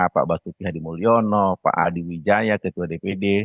pak basuki hadi mulyono pak adi wijaya ketua dpd